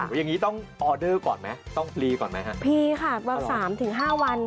อย่างนี้ต้องออเดอร์ก่อนไหมต้องพลีก่อนไหมค่ะพลีค่ะประมาณ๓๕วัน